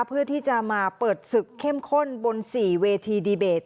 เพื่อที่จะมาเปิดศึกเข้มข้นบน๔เวทีดีเบต